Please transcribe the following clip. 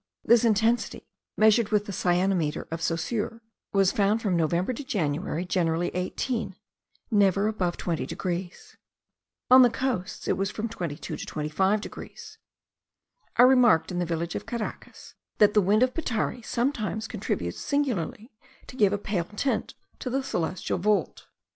This intensity, measured with the cyanometer of Saussure, was found from November to January generally 18, never above 20 degrees. On the coasts it was from 22 to 25 degrees. I remarked, in the village of Caracas, that the wind of Petare sometimes contributes singularly to give a pale tint to the celestial vault.